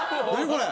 これ。